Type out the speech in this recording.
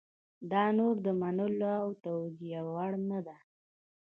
دا نور د منلو او توجیه وړ نه ده.